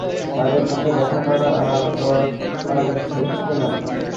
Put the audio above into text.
তাদের সাথে দেখা করার আর তর সইছে না।